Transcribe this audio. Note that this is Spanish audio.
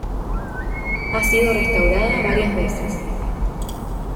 Ha sido restaurada varias veces.